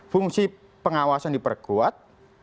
fungsi pengawasan diperkuat